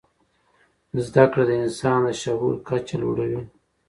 زده کړه د انسان د شعور کچه لوړوي.